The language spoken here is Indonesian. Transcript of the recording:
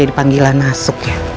yang dipanggil nasuk ya